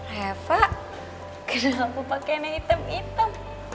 hei pak kenapa pakaiannya hitam hitam